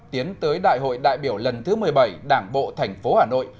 tiến tới đại hội đại biểu lần thứ một mươi bảy đảng bộ thành phố hà nội